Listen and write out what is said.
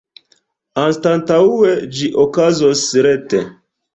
Anstataŭe ĝi okazos rete.